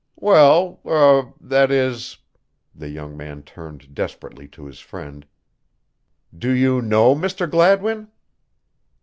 "Well er that is," the young man turned desperately to his friend, "do you know Mr. Gladwin?"